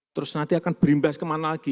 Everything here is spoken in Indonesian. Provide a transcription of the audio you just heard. terus nanti akan berimbas kemana lagi